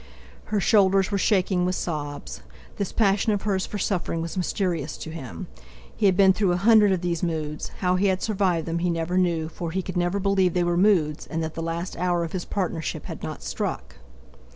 Her shoulders were shaking with sobs. This passion of hers for suffering was mysterious to him. He had been through a hundred of these moods; how he had survived them he never knew, for he could never believe they were moods, and that the last hour of his partnership had not struck.